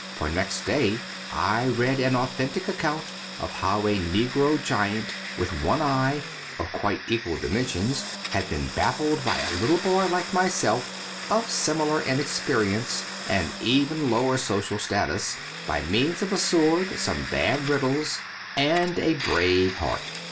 For next day I read an authentic account of how a negro giant with one eye, of quite equal dimensions, had been baffled by a little boy like myself (of similar inexperience and even lower social status) by means of a sword, some bad riddles, and a brave heart.